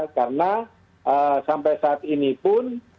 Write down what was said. karena sampai saat ini pun